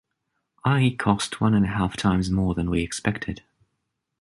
I cost one and a half times more than we expected.